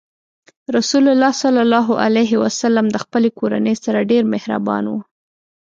رسول الله ﷺ د خپلې کورنۍ سره ډېر مهربان و.